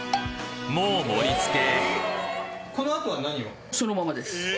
もう盛り付け？